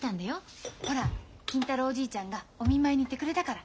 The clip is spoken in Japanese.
ほら金太郎おじいちゃんがお見舞いに行ってくれたから。